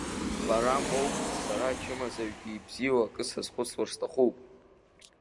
Бара моу, сара ачымазаҩгьы ибзиоу акы сазхәыцлар сҭахуп.